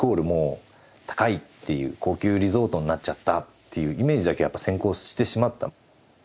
もう高いっていう高級リゾートになっちゃったっていうイメージだけやっぱ先行してしまった。